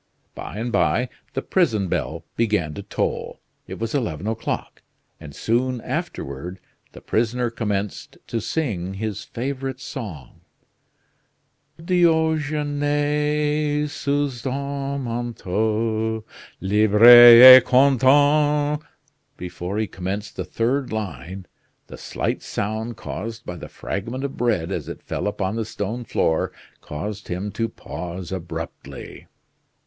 By and by the prison bell began to toll. It was eleven o'clock, and soon afterward the prisoner commenced to sing his favorite song: "Diogene! Sous ton manteau, libre et content " Before he commenced the third line the slight sound caused by the fragment of bread as it fell upon the stone floor caused him to pause abruptly.